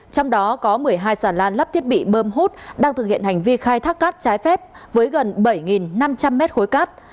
trong đó có một mươi hai sản lan lắp thiết bị bơm hút đang thực hiện hành vi khai thác cát trái phép với gần bảy năm trăm linh mét khối cát